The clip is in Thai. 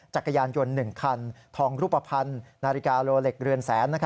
จักรยานยนต์๑คันทองรูปภัณฑ์นาฬิกาโลเล็กเรือนแสน